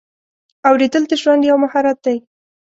اورېدل د ژوند یو مهارت دی.